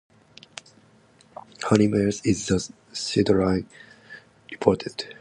Harry Mayes is the sideline reporter.